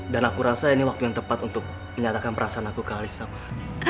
dan aku rasa ini waktu yang tepat untuk menyatakan perasaan aku ke alisa mak